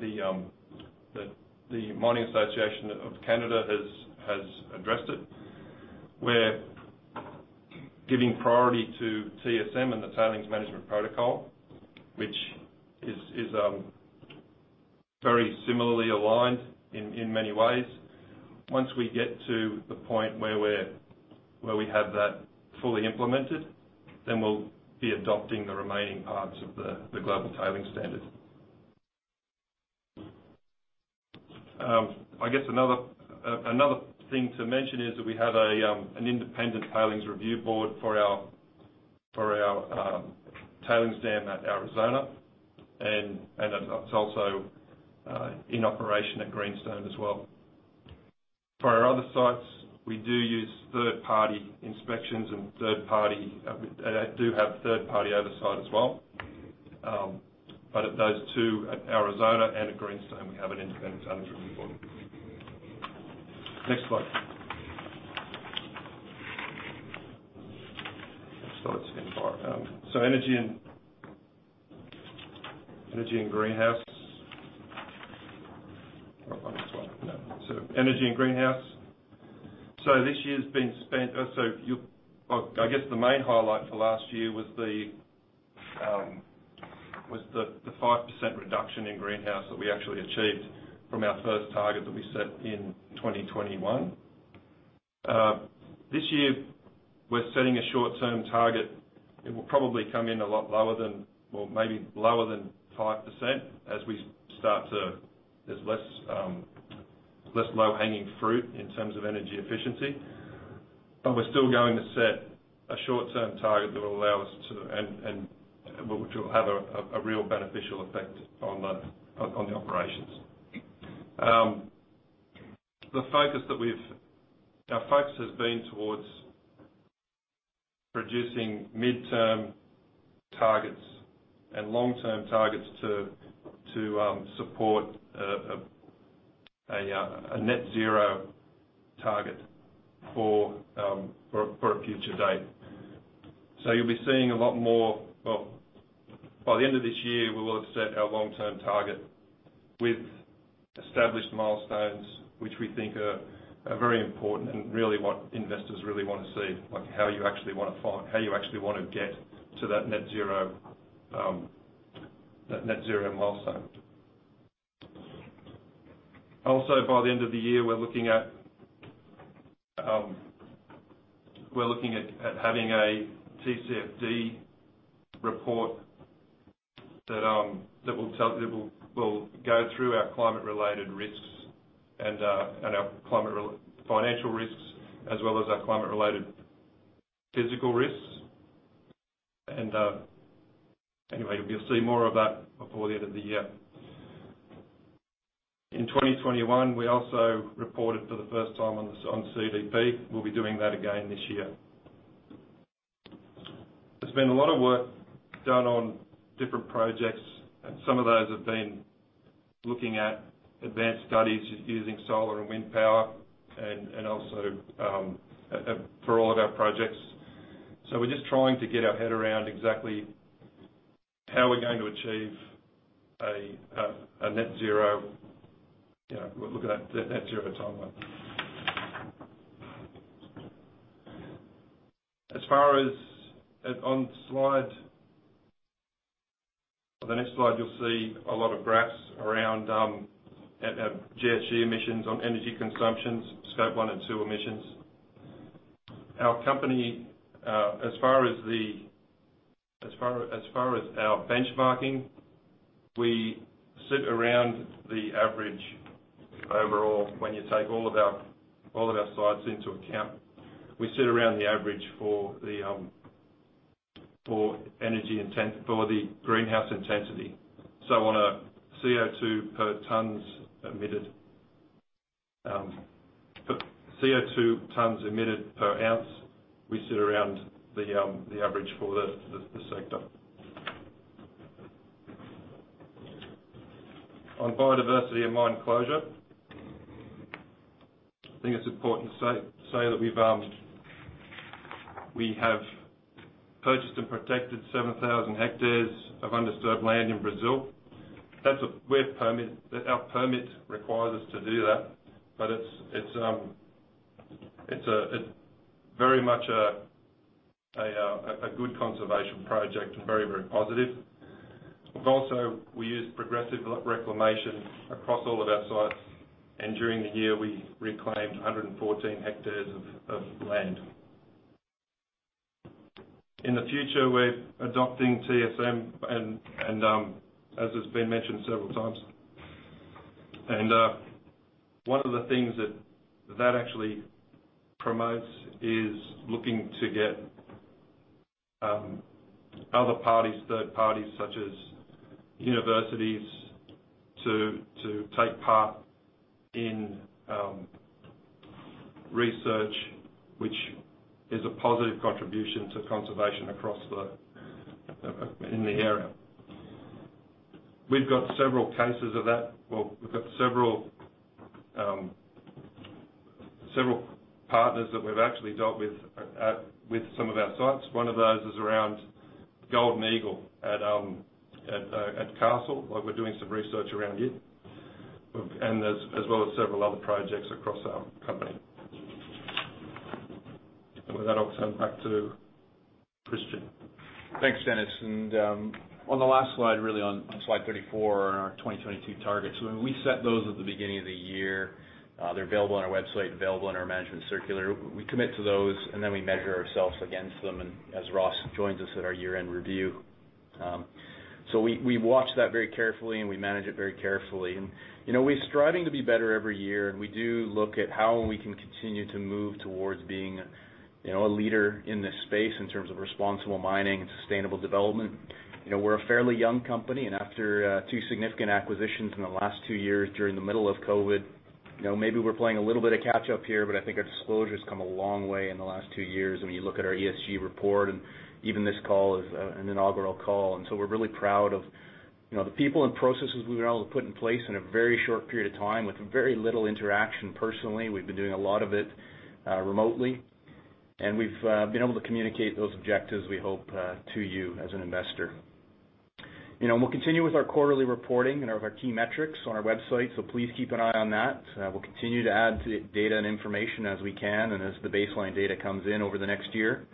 the Mining Association of Canada has addressed it. We're giving priority to TSM and the Tailings Management Protocol, which is very similarly aligned in many ways. Once we get to the point where we have that fully implemented, then we'll be adopting the remaining parts of the global tailings standard. I guess another thing to mention is that we have an independent tailings review board for our tailings dam at Aurizona, and it's also in operation at Greenstone as well. For our other sites, we do use third-party inspections and third-party oversight as well. At those two, Aurizona and Greenstone, we have an independent auditor involved. Next slide. Let's start energy and greenhouse. One last slide. No. Energy and greenhouse. Well, I guess the main highlight for last year was the 5% reduction in greenhouse that we actually achieved from our first target that we set in 2021. This year, we're setting a short-term target. It will probably come in a lot lower than well, maybe lower than 5% as we start to. There's less low-hanging fruit in terms of energy efficiency. We're still going to set a short-term target that will allow us to which will have a real beneficial effect on the operations. Our focus has been towards producing midterm targets and long-term targets to support a net zero target for a future date. You'll be seeing a lot more. Well, by the end of this year, we will have set our long-term target with established milestones, which we think are very important and really what investors really wanna see, like how you actually wanna get to that net zero, that net zero milestone. Also, by the end of the year, we're looking at having a TCFD report that will go through our climate-related risks and our climate-related financial risks, as well as our climate-related physical risks. Anyway, you'll see more of that before the end of the year. In 2021, we also reported for the first time on CDP. We'll be doing that again this year. There's been a lot of work done on different projects, and some of those have been looking at advanced studies using solar and wind power and also for all of our projects. We're just trying to get our head around exactly how we're going to achieve a net zero, you know, we're looking at net zero timeline. On the next slide, you'll see a lot of graphs around our GHG emissions on energy consumptions, scope one and two emissions. Our company, as far as our benchmarking, we sit around the average overall when you take all of our sites into account. We sit around the average for the energy inten for the greenhouse intensity. On a CO₂ per tons emitted, CO₂ tons emitted per ounce, we sit around the average for the sector. On biodiversity and mine closure, I think it's important to say that we have purchased and protected 7,000 hectares of undisturbed land in Brazil. We have permit. Our permit requires us to do that, but it's very much a good conservation project and very positive. We use progressive reclamation across all of our sites, and during the year, we reclaimed 114 hectares of land. In the future, we're adopting TSM and as it's been mentioned several times. One of the things that actually promotes is looking to get other parties, third parties, such as universities to take part in research, which is a positive contribution to conservation across the area. We've got several cases of that. Well, we've got several partners that we've actually dealt with some of our sites. One of those is around Golden Eagle at Castle. Like we're doing some research around it, as well as several other projects across our company. With that, I'll turn it back to Christian.
Thanks, Dennis. On the last slide, really on slide 34 on our 2022 targets, when we set those at the beginning of the year, they're available on our website, available on our management circular. We commit to those, and then we measure ourselves against them and as Ross joins us at our year-end review. We watch that very carefully, and we manage it very carefully. You know, we're striving to be better every year, and we do look at how we can continue to move towards being, you know, a leader in this space in terms of responsible mining and sustainable development. You know, we're a fairly young company, and after two significant acquisitions in the last two years during the middle of COVID. You know, maybe we're playing a little bit of catch up here, but I think our disclosure's come a long way in the last two years when you look at our ESG report, and even this call is an inaugural call. We're really proud of, you know, the people and processes we've been able to put in place in a very short period of time with very little interaction personally. We've been doing a lot of it remotely, and we've been able to communicate those objectives, we hope, to you as an investor. You know, we'll continue with our quarterly reporting and of our key metrics on our website, so please keep an eye on that. We'll continue to add to data and information as we can and as the baseline data comes in over the next year.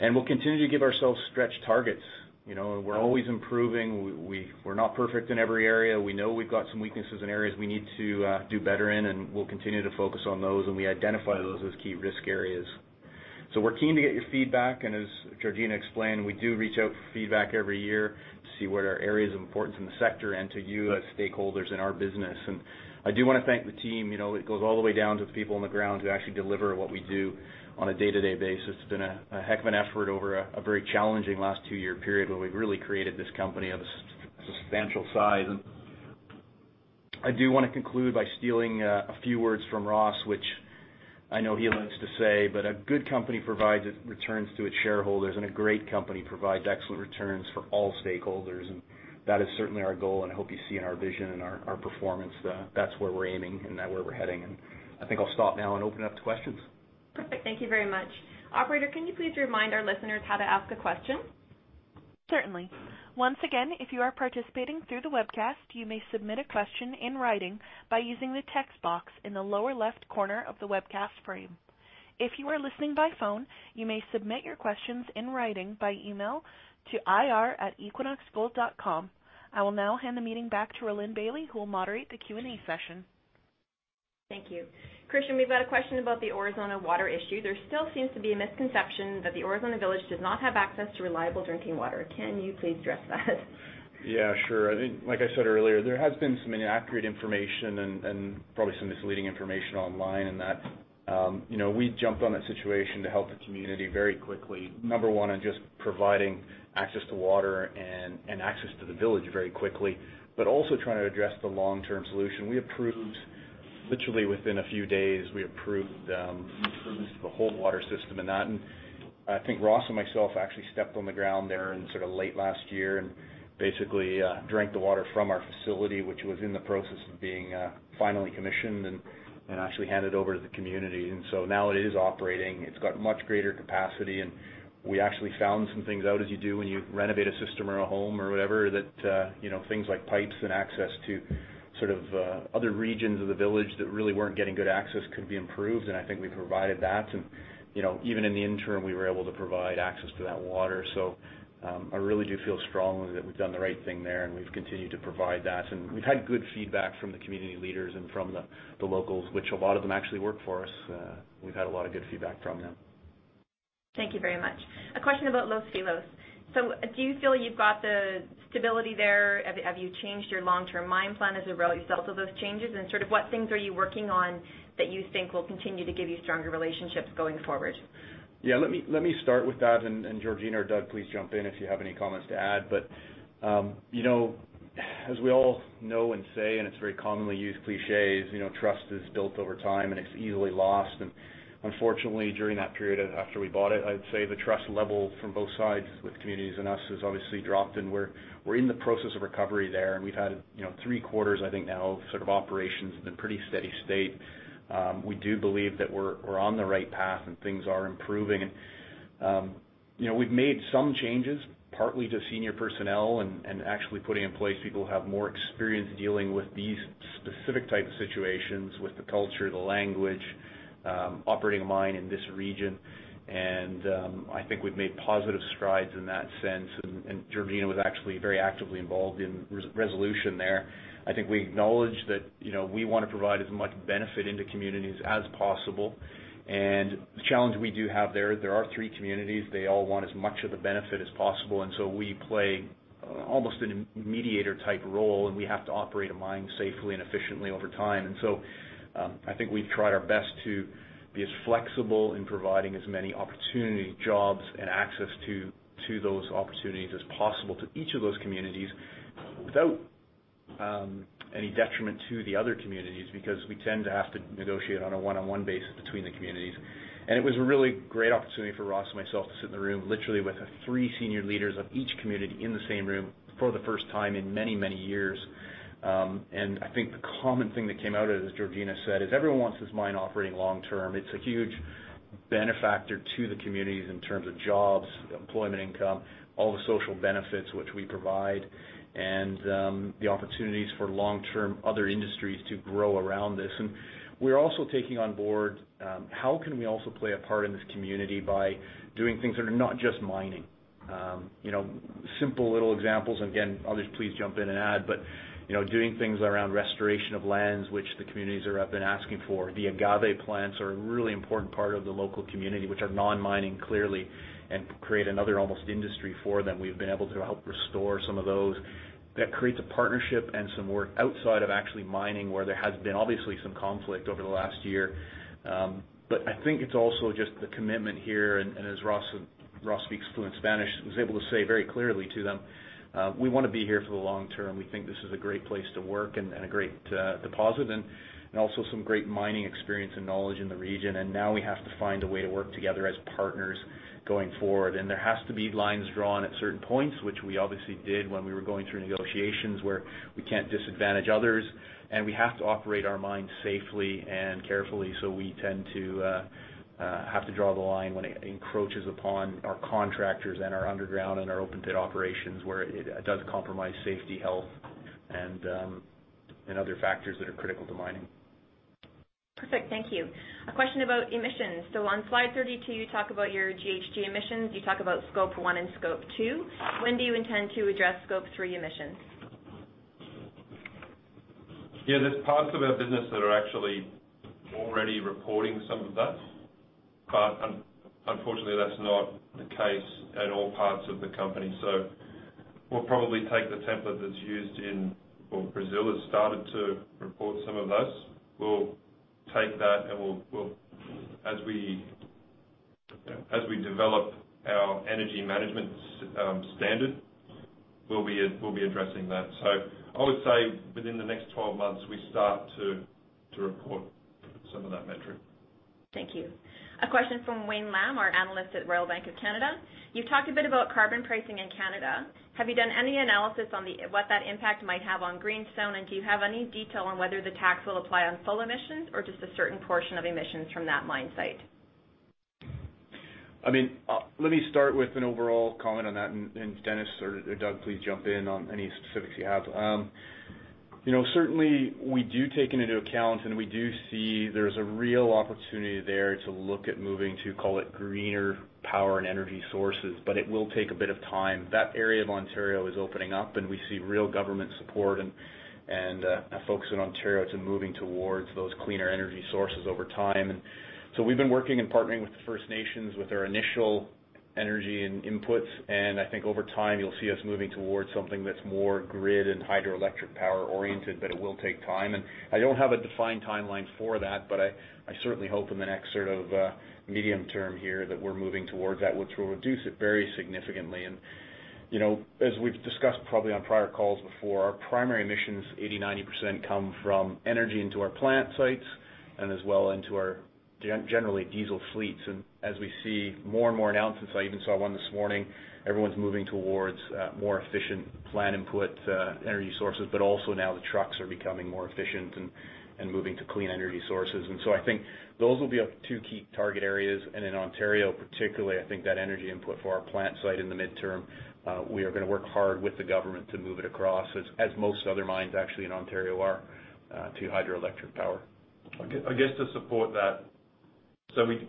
We'll continue to give ourselves stretch targets. You know, we're always improving. We're not perfect in every area. We know we've got some weaknesses in areas we need to do better in, and we'll continue to focus on those, and we identify those as key risk areas. We're keen to get your feedback, and as Georgina explained, we do reach out for feedback every year to see what are areas of importance in the sector and to you as stakeholders in our business. I do wanna thank the team. You know, it goes all the way down to the people on the ground who actually deliver what we do on a day-to-day basis. It's been a heck of an effort over a very challenging last two-year period, where we've really created this company of a substantial size. I do wanna conclude by stealing a few words from Ross, which I know he loves to say, but a good company provides its returns to its shareholders, and a great company provides excellent returns for all stakeholders. That is certainly our goal, and I hope you see in our vision and our performance, that's where we're aiming and that where we're heading. I think I'll stop now and open up to questions.
Perfect. Thank you very much. Operator, can you please remind our listeners how to ask a question?
Certainly. Once again, if you are participating through the webcast, you may submit a question in writing by using the text box in the lower left corner of the webcast frame. If you are listening by phone, you may submit your questions in writing by email to ir@equinoxgold.com. I will now hand the meeting back to Rhylin Bailie, who will moderate the Q&A session.
Thank you. Christian, we've got a question about the Aurizona water issue. There still seems to be a misconception that the Aurizona Village does not have access to reliable drinking water. Can you please address that?
Yeah, sure. I think, like I said earlier, there has been some inaccurate information and probably some misleading information online in that, you know, we jumped on that situation to help the community very quickly, number one, in just providing access to water and access to the village very quickly, but also trying to address the long-term solution. We approved, literally within a few days, we approved the whole water system in that. I think Ross and myself actually stepped on the ground there in sorta late last year and basically drank the water from our facility, which was in the process of being finally commissioned and actually handed over to the community. Now it is operating. It's got much greater capacity, and we actually found some things out as you do when you renovate a system or a home or whatever that, you know, things like pipes and access to sort of, other regions of the village that really weren't getting good access could be improved, and I think we provided that. You know, even in the interim, we were able to provide access to that water. I really do feel strongly that we've done the right thing there, and we've continued to provide that. We've had good feedback from the community leaders and from the locals, which a lot of them actually work for us. We've had a lot of good feedback from them.
Thank you very much. A question about Los Filos. Do you feel you've got the stability there? Have you changed your long-term mine plan as a result of those changes, and sort of what things are you working on that you think will continue to give you stronger relationships going forward?
Yeah, let me start with that, and Georgina or Doug, please jump in if you have any comments to add. You know, as we all know and say, and it's very commonly used clichés, you know, trust is built over time, and it's easily lost. Unfortunately, during that period after we bought it, I'd say the trust level from both sides with communities and us has obviously dropped, and we're in the process of recovery there. We've had, you know, three quarters I think now of sort of operations in a pretty steady state. We do believe that we're on the right path, and things are improving. You know, we've made some changes, partly to senior personnel and actually putting in place people who have more experience dealing with these specific type of situations with the culture, the language, operating a mine in this region. I think we've made positive strides in that sense, and Georgina was actually very actively involved in resolution there. I think we acknowledge that, you know, we wanna provide as much benefit into communities as possible. The challenge we do have there are three communities. They all want as much of the benefit as possible, and so we play almost a mediator type role, and we have to operate a mine safely and efficiently over time. I think we've tried our best to be as flexible in providing as many opportunity, jobs, and access to those opportunities as possible to each of those communities without any detriment to the other communities because we tend to have to negotiate on a one-on-one basis between the communities. It was a really great opportunity for Ross and myself to sit in the room literally with the three senior leaders of each community in the same room for the first time in many, many years. I think the common thing that came out of it, as Georgina said, is everyone wants this mine operating long term. It's a huge benefactor to the communities in terms of jobs, employment income, all the social benefits which we provide and the opportunities for long-term other industries to grow around this. We're also taking on board how can we also play a part in this community by doing things that are not just mining. You know, simple little examples, and again, others please jump in and add, but, you know, doing things around restoration of lands which the communities are, have been asking for. The agave plants are a really important part of the local community, which are non-mining, clearly, and create another almost industry for them. We've been able to help restore some of those. That creates a partnership and some work outside of actually mining, where there has been obviously some conflict over the last year. But I think it's also just the commitment here, and as Ross said. Ross speaks fluent Spanish, and was able to say very clearly to them, we wanna be here for the long term. We think this is a great place to work and a great deposit, and also some great mining experience and knowledge in the region. Now we have to find a way to work together as partners going forward. There has to be lines drawn at certain points, which we obviously did when we were going through negotiations where we can't disadvantage others, and we have to operate our mine safely and carefully, so we tend to have to draw the line when it encroaches upon our contractors and our underground and our open pit operations where it does compromise safety, health, and other factors that are critical to mining.
Perfect. Thank you. A question about emissions. On slide 32, you talk about your GHG emissions. You talk about Scope 1 and Scope 2. When do you intend to address Scope 3 emissions?
Yeah. There's parts of our business that are actually already reporting some of that. Unfortunately, that's not the case in all parts of the company. We'll probably take the template that's used in Brazil. Well, Brazil has started to report some of those. We'll take that, and we'll. As we develop our energy management standard, we'll be addressing that. I would say within the next 12 months, we start to report some of that metric.
Thank you. A question from Wayne Lam, our Analyst at Royal Bank of Canada. You've talked a bit about carbon pricing in Canada. Have you done any analysis on the, what that impact might have on Greenstone? And do you have any detail on whether the tax will apply on full emissions or just a certain portion of emissions from that mine site?
I mean, let me start with an overall comment on that, and Dennis or Doug, please jump in on any specifics you have. You know, certainly, we do take it into account, and we do see there's a real opportunity there to look at moving to call it greener power and energy sources, but it will take a bit of time. That area of Ontario is opening up, and we see real government support and a focus in Ontario to moving towards those cleaner energy sources over time. We've been working and partnering with the First Nations with our initial energy and inputs, and I think over time, you'll see us moving towards something that's more grid and hydroelectric power oriented, but it will take time. I don't have a defined timeline for that, but I certainly hope in the next sort of medium term here that we're moving towards that, which will reduce it very significantly. You know, as we've discussed probably on prior calls before, our primary emissions, 80%-90% come from energy into our plant sites and as well into our generally diesel fleets. As we see more and more announcements, I even saw one this morning, everyone's moving towards more efficient plant input energy sources, but also now the trucks are becoming more efficient and moving to clean energy sources. I think those will be our two key target areas. In Ontario particularly, I think that energy input for our plant site in the midterm, we are gonna work hard with the government to move it across, as most other mines actually in Ontario are, to hydroelectric power.
I guess to support that,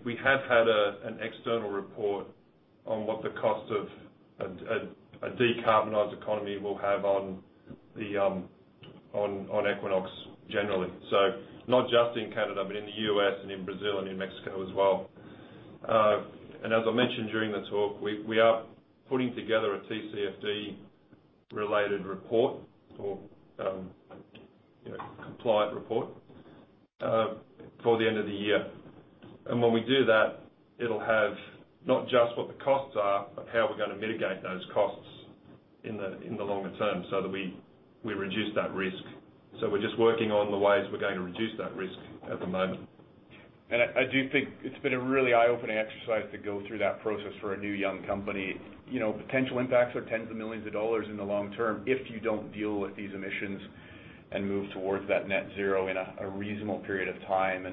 we have had an external report on what the cost of a decarbonized economy will have on Equinox generally. Not just in Canada, but in the U.S. and in Brazil and in Mexico as well. As I mentioned during the talk, we are putting together a TCFD related report or compliant report for the end of the year. When we do that, it'll have not just what the costs are, but how we're gonna mitigate those costs in the longer term so that we reduce that risk. We're just working on the ways we're going to reduce that risk at the moment.
I do think it's been a really eye-opening exercise to go through that process for a new young company. You know, potential impacts are tens of millions of dollars in the long term if you don't deal with these emissions and move towards that net zero in a reasonable period of time.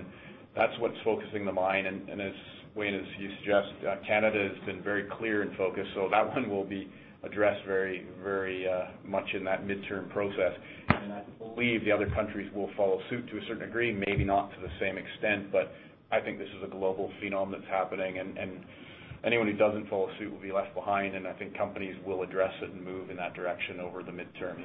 That's what's focusing the mind. As Wayne, as you suggest, Canada has been very clear in focus, so that one will be addressed very much in that midterm process. I believe the other countries will follow suit to a certain degree, maybe not to the same extent, but I think this is a global phenomenon that's happening. Anyone who doesn't follow suit will be left behind, and I think companies will address it and move in that direction over the midterm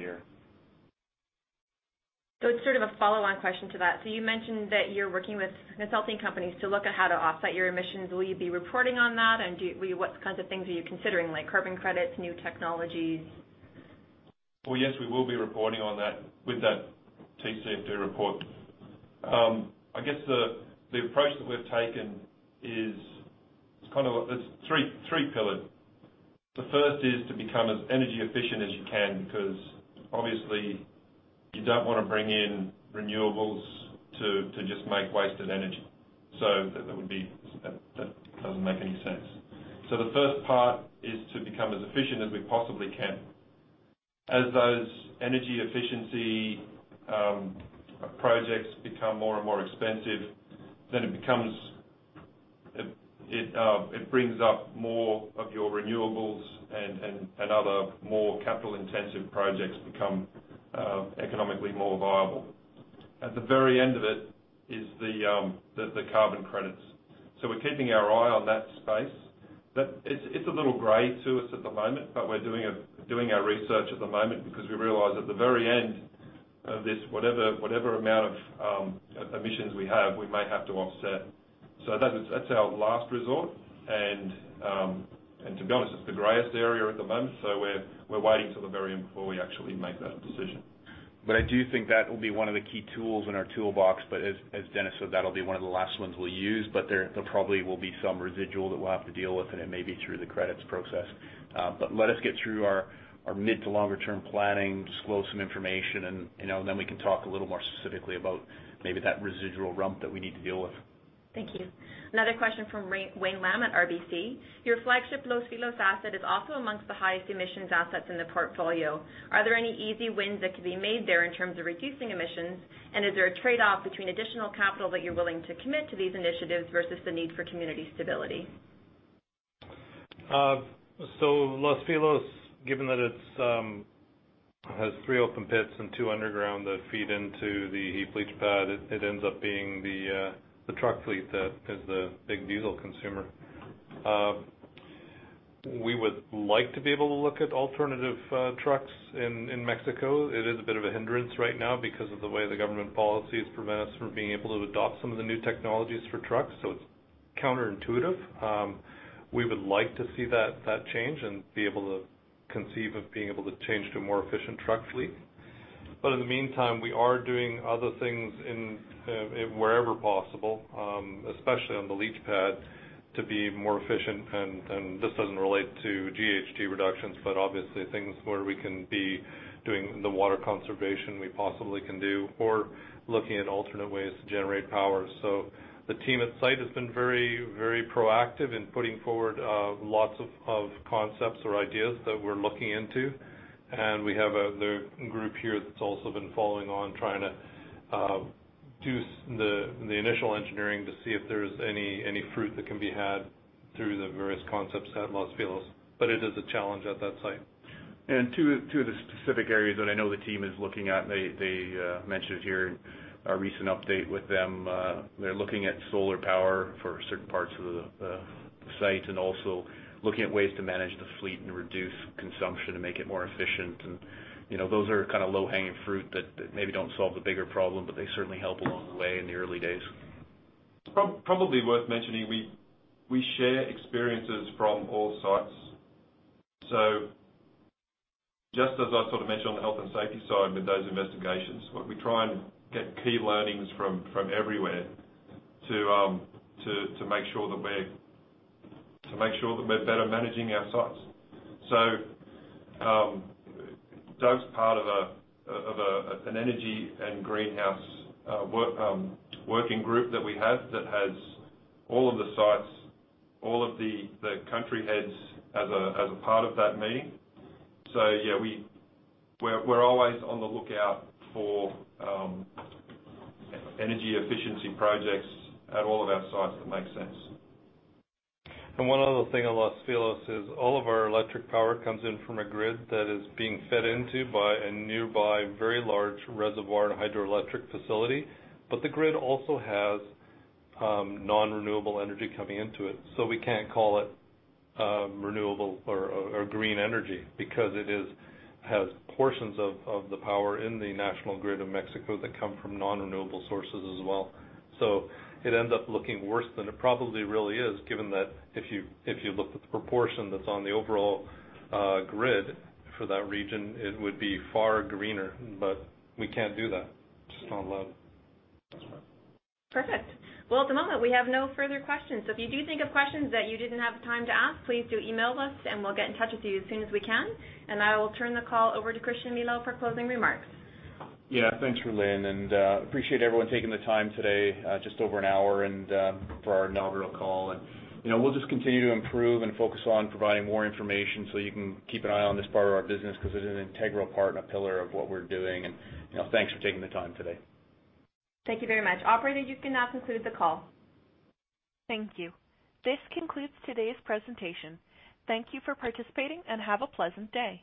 year.
It's sort of a follow-on question to that. You mentioned that you're working with consulting companies to look at how to offset your emissions. Will you be reporting on that? And what kinds of things are you considering, like carbon credits, new technologies?
Yes, we will be reporting on that with that TCFD report. I guess the approach that we've taken is, it's three pillar. The first is to become as energy efficient as you can because obviously you don't wanna bring in renewables to just make wasted energy. That doesn't make any sense. The first part is to become as efficient as we possibly can. As those energy efficiency projects become more and more expensive, then it brings up more of your renewables and other more capital-intensive projects become economically more viable. At the very end of it is the carbon credits. We're keeping our eye on that space. It's a little gray to us at the moment, but we're doing our research at the moment because we realize at the very end of this, whatever amount of emissions we have, we may have to offset. That's our last resort. To be honest, it's the grayest area at the moment, so we're waiting till the very end before we actually make that decision.
I do think that will be one of the key tools in our toolbox. As Dennis said, that'll be one of the last ones we'll use. There probably will be some residual that we'll have to deal with, and it may be through the credits process. Let us get through our mid to longer term planning, disclose some information and, you know, then we can talk a little more specifically about maybe that residual rump that we need to deal with.
Thank you. Another question from Wayne Lam at RBC. Your flagship Los Filos asset is also among the highest emissions assets in the portfolio. Are there any easy wins that can be made there in terms of reducing emissions? Is there a trade-off between additional capital that you're willing to commit to these initiatives versus the need for community stability?
Los Filos, given that it has three open pits and two underground that feed into the heap leach pad, it ends up being the truck fleet that is the big diesel consumer. We would like to be able to look at alternative trucks in Mexico. It is a bit of a hindrance right now because of the way the government policies prevent us from being able to adopt some of the new technologies for trucks. It's counterintuitive. We would like to see that change and be able to conceive of being able to change to a more efficient truck fleet. In the meantime, we are doing other things in, wherever possible, especially on the leach pad, to be more efficient. This doesn't relate to GHG reductions, but obviously things where we can be doing the water conservation we possibly can do or looking at alternate ways to generate power. The team at site has been very, very proactive in putting forward lots of concepts or ideas that we're looking into. We have the group here that's also been following on trying to do the initial engineering to see if there's any fruit that can be had through the various concepts at Los Filos. It is a challenge at that site.
Two of the specific areas that I know the team is looking at, they mentioned here in our recent update with them, they're looking at solar power for certain parts of the site and also looking at ways to manage the fleet and reduce consumption and make it more efficient. You know, those are kind of low-hanging fruit that maybe don't solve the bigger problem, but they certainly help along the way in the early days.
Probably worth mentioning, we share experiences from all sites. Just as I sort of mentioned on the health and safety side with those investigations, what we try and get key learnings from everywhere to make sure that we're better managing our sites. Doug's part of an energy and greenhouse working group that we have that has all of the sites, the country heads as a part of that meeting. Yeah, we're always on the lookout for energy efficiency projects at all of our sites that make sense. One other thing on Los Filos is all of our electric power comes in from a grid that is being fed into by a nearby very large reservoir and hydroelectric facility. The grid also has non-renewable energy coming into it. We can't call it renewable or green energy because it has portions of the power in the national grid of Mexico that come from non-renewable sources as well. It ends up looking worse than it probably really is, given that if you looked at the proportion that's on the overall grid for that region, it would be far greener. We can't do that. Just not allowed.
Perfect. Well, at the moment, we have no further questions. So if you do think of questions that you didn't have time to ask, please do email us, and we'll get in touch with you as soon as we can. I will turn the call over to Christian Milau for closing remarks.
Yeah, thanks, Rhylin, and appreciate everyone taking the time today, just over an hour and for our inaugural call. You know, we'll just continue to improve and focus on providing more information so you can keep an eye on this part of our business because it is an integral part and a pillar of what we're doing. You know, thanks for taking the time today.
Thank you very much. Operator, you can now conclude the call.
Thank you. This concludes today's presentation. Thank you for participating, and have a pleasant day.